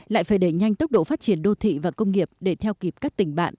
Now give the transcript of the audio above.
lại phải đẩy nhanh tốc độ phát triển đô thị và công nghiệp để theo kịp các tỉnh